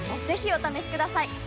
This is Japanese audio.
ぜひお試しください！